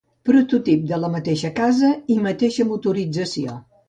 Prototip de la mateixa casa i mateixa motorització.